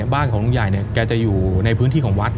บ้านของลุงใหญ่เนี่ยแกจะอยู่ในพื้นที่ของวัด